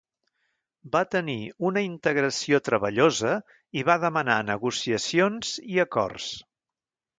Va tenir una integració treballosa i va demandar negociacions i acords.